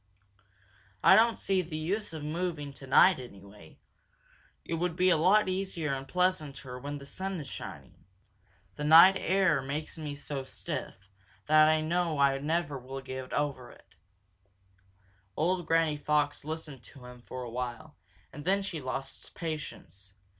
"I don't see the use of moving tonight, anyway. It would be a lot easier and pleasanter when the sun is shining. This night air makes me so stiff that I know I never will get over it," grumbled Reddy Fox. Old Granny Fox listened to him for a while, and then she lost patience.